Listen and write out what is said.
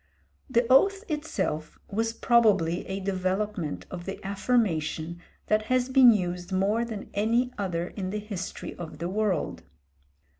The oath itself was probably a development of the affirmation that has been used more than any other in the history of the world.